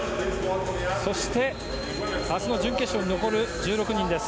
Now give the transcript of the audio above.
そして明日の準決勝に残る１６人です。